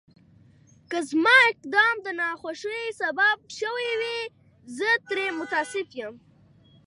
که زما اقدام د ناخوښۍ سبب شوی وي، زه ترې متأسف یم.